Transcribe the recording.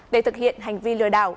để thực hiện hành vi lừa đảo